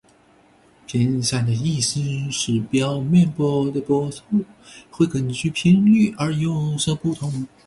频散的意思是表面波的波速会根据频率而有所不同。